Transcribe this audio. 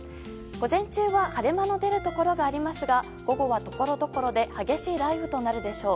午前中は晴れ間の出るところがありますが午後はところどころで激しい雷雨となるでしょう。